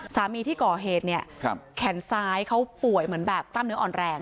สาเหตุที่ก่อเหตุเนี่ยแขนซ้ายเขาป่วยเหมือนแบบกล้ามเนื้ออ่อนแรง